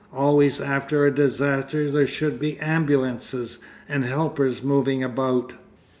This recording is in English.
Always after a disaster there should be ambulances and helpers moving about....